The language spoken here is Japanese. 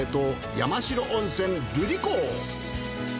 山代温泉瑠璃光。